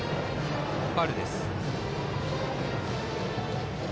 ファウルです。